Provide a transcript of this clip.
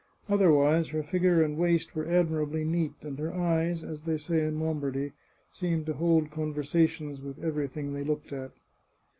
Otherwise her figure and waist were admirably neat ; and her eyes, as they say in Lombardy, seemed to hold conversations with every thing they looked at.